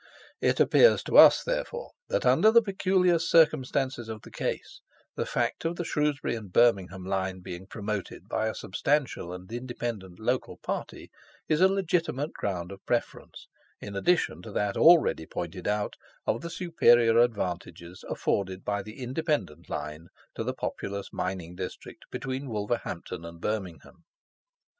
It appears to us, therefore, that, under the peculiar circumstances of the case, the fact of the Shrewsbury and Birmingham line being promoted by a substantial and independent local party, is a legitimate ground of preference, in addition to that already pointed out, of the superior advantages afforded by the independent line to the populous mining district between Wolverhampton and Birmingham.